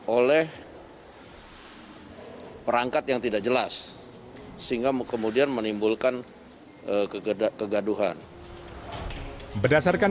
oleh perangkat yang tidak jelas sehingga kemudian menimbulkan kegaduhan berdasarkan